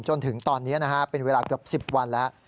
จนถึงตอนนี้เป็นเวลาเกือบ๑๐วันแล้ว